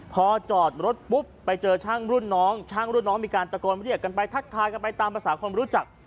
พอจอดรถปุ๊บไปเจอช่างรุ่นน้องช่างรุ่นน้องมีการตะโกนเรียกกันไปทักทายกันไปตามภาษาคนรู้จัก